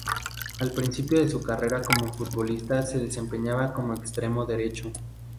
Al principio de su carrera como futbolista se desempeñaba como extremo derecho.